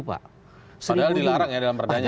padahal dilarang ya dalam perdana ya